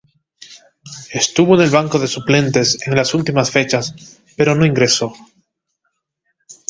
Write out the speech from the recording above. Estuvo en el banco de suplentes en las últimas fechas, pero no ingresó.